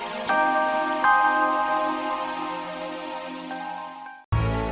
dia sudah diambil oleh dukunnya pak